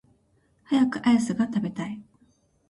早くアイスが食べたい